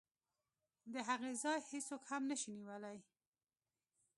د هغې ځای هېڅوک هم نشي نیولی.